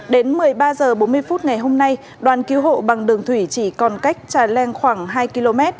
đến một mươi ba h bốn mươi phút ngày hôm nay đoàn cứu hộ bằng đường thủy chỉ còn cách trà leng khoảng hai km